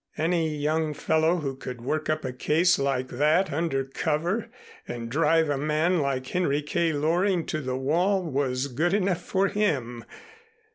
Any young fellow who could work up a case like that under cover and drive a man like Henry K. Loring to the wall was good enough for him!